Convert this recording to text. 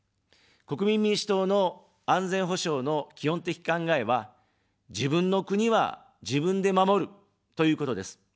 国民民主党の安全保障の基本的考えは、自分の国は自分で守る、ということです。